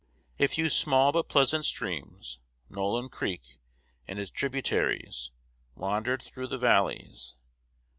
A few small but pleasant streams Nolin Creek and its tributaries wandered through the valleys.